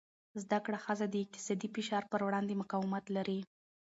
زده کړه ښځه د اقتصادي فشار پر وړاندې مقاومت لري.